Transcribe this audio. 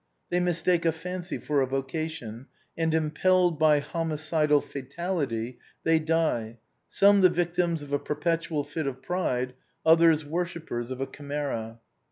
They mistake a fancy for a vocation, and impelled by homicidal fatality, they die, some the victims of a perpetual fit of pride others worshippers of a chimera.